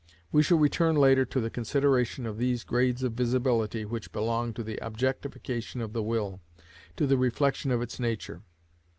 We shall return later to the consideration of these grades of visibility which belong to the objectification of the will, to the reflection of its nature.